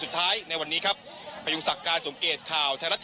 สุดท้ายในวันนี้ครับไปอยู่สักการสมเกตข่าวไทยรัฐ